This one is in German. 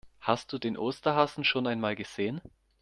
Hast du den Osterhasen schon einmal gesehen?